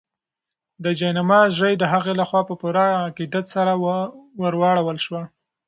د جاینماز ژۍ د هغې لخوا په پوره عقیدت سره ورواړول شوه.